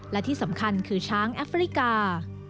และที่สำคัญคือช้างแอฟริกา